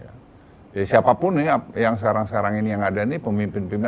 jadi siapapun yang sekarang sekarang ini yang ada ini pemimpin pemimpin